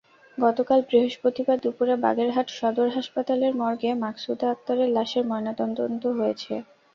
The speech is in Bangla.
গতকাল বৃহস্পতিবার দুপুরে বাগেরহাট সদর হাসপাতালের মর্গে মাকসুদা আক্তারের লাশের ময়নাতদন্ত হয়েছে।